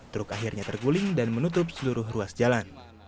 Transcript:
truk akhirnya terguling dan menutup seluruh ruas jalan